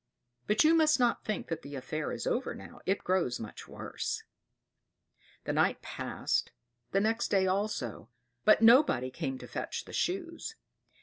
But you must not think that the affair is over now; it grows much worse. The night passed, the next day also; but nobody came to fetch the Shoes.